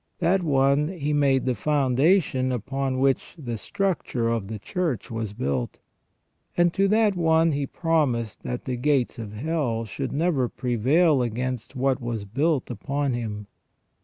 That one He made the foundation upon which the structure of the Church was built ; and to that one He promised that the gates of hell should never prevail against what was built upon him.